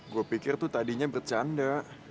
gue pikir tuh tadinya bercanda